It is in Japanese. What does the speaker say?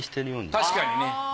確かにね。